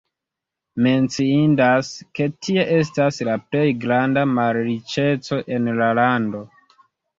Menciindas, ke tie estas la plej granda malriĉeco en la lando.